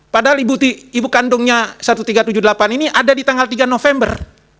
padahal ibu kandungnya satu tiga ratus tujuh puluh delapan ini ada di tanggal tiga november